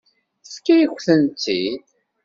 Tefka-yakent-tt-id.